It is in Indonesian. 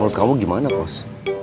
menurut kamu gimana prosh